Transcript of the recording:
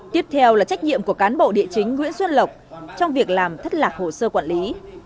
tiếp theo là trách nhiệm của cán bộ địa chính nguyễn xuân lộc trong việc làm thất lạc hồ sơ quản lý